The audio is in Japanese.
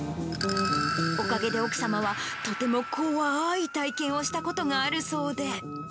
おかげで奥様は、とても怖ーい体験をしたことがあるそうで。